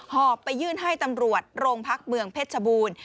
อบไปยื่นให้ตำรวจโรงพักเมืองเพชรชบูรณ์